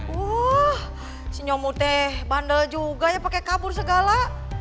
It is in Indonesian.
wah si nyomute bandel juga ya pake kabur segala